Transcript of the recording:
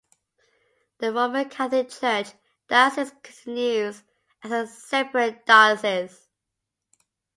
The Roman Catholic Church diocese continues as a separate diocese.